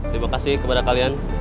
terima kasih kepada kalian